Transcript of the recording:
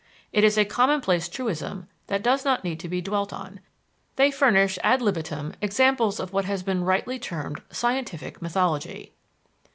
It is a commonplace truism that does not need to be dwelt on they furnish ad libitum examples of what has been rightly termed scientific mythology.